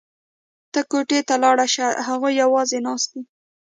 ته کوټې ته لاړه شه هغوی یوازې ناست دي